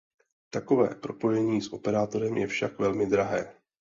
Takové propojení s operátorem je však velmi drahé.